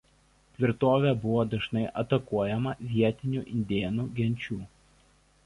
Tvirtovė buvo dažnai atakuojama vietinių indėnų genčių.